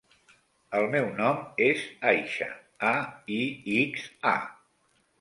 El meu nom és Aixa: a, i, ics, a.